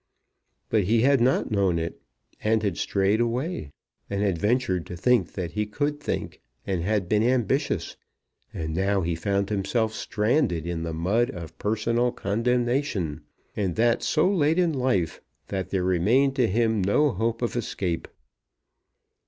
But he had not known it, and had strayed away, and had ventured to think that he could think, and had been ambitious. And now he found himself stranded in the mud of personal condemnation, and that so late in life, that there remained to him no hope of escape.